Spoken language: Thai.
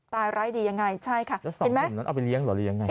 ตายร้ายดียังไงใช่ค่ะเห็นไหมเอาไปเลี้ยงต่อ